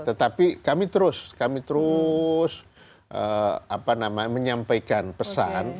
tetapi kami terus kami terus apa namanya menyampaikan pesan